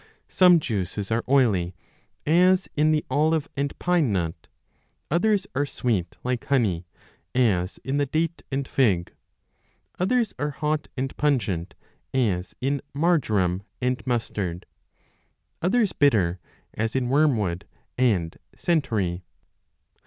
Some juices arc oily, as in the olive and pine nut ; others are sweet like honey, as in the date and fig ; others are hot and pungent, as in marjoram 35 and mustard ; others bitter, as in wormwood and centaury.